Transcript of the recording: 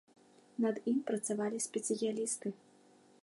Над ім працавалі спецыялісты.